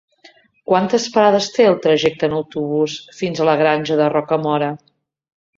Quantes parades té el trajecte en autobús fins a la Granja de Rocamora?